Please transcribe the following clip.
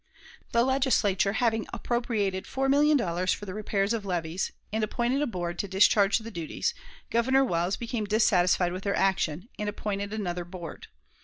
The Legislature having appropriated four million dollars for the repairs of levees, and appointed a board to discharge the duties, Governor Wells became dissatisfied with their action, and appointed another board.